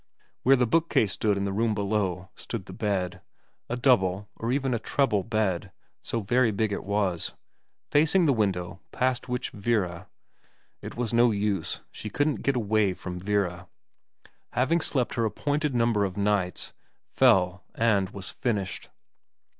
Where the bookcase stood in the room below, stood the bed : a double, or even a treble, bed, so very big was it, facing the window past which Vera it was no use, she couldn't get away from Vera having slept her appointed number of nights, fell and was finished.